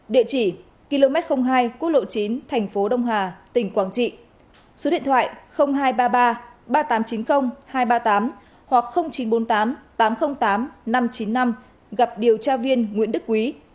địa chỉ km hai quốc lộ chín thành phố đông hà tỉnh quảng trị số điện thoại hai trăm ba mươi ba ba nghìn tám trăm chín mươi hai trăm ba mươi tám hoặc chín trăm bốn mươi tám tám trăm linh tám năm trăm chín mươi năm gặp điều tra viên nguyễn đức quý